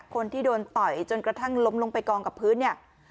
คนที่โดนต่อยจนกระทั่งล้มลงไปกองกับพื้นเนี่ย